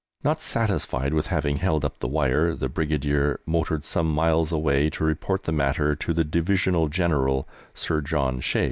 Not satisfied with having held up the wire, the Brigadier motored some miles away to report the matter to the Divisional General, Sir John Shea.